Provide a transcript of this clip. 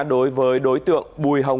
đối với đối tượng bùi hồng